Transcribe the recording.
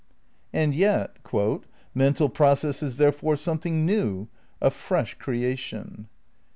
"' And yet "Mental process is therefore something new, a fresh creation."